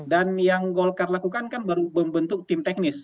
dan yang golkar lakukan kan baru membentuk tim teknis